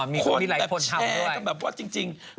มีไร้คนทำด้วย